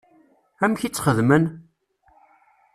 Amek i tt-xeddmen?